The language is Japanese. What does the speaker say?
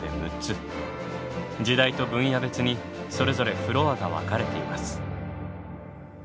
時代と分野別にそれぞれフロアが分かれています。